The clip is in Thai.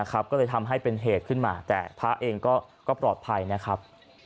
ก็เลยทำให้เป็นเหตุขึ้นมาแต่พระเองก็ปลอดภัยนะครับ